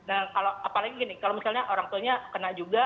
apalagi gini kalau misalnya orang tuanya kena juga